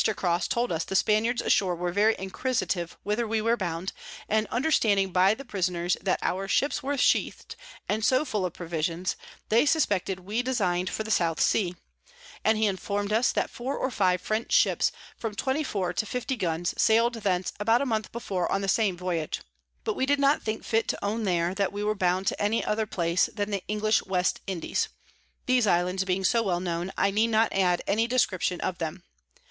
Crosse told us the Spaniards ashore were very inquisitive whither we were bound; and understanding by the Prisoners that our Ships were sheath'd, and so full of Provisions, they suspected we design'd for the South Sea: and he inform'd us that four or five French Ships from 24 to 50 Guns sail'd thence about a month before on the same Voyage. But we did not think fit to own there, that we were bound to any other place than the English West Indies. These Islands being so well known, I need not add any Description of them.